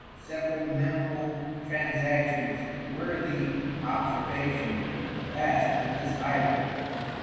Several memorable Transactions worthy observation, passed in this Island.